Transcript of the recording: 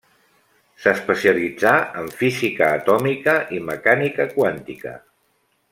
S'especialitzà en física atòmica i mecànica quàntica.